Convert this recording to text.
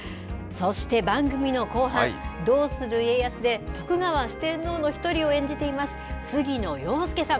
そして番組の後半、どうする家康で、徳川四天王の一人を演じています、杉野遥亮さん。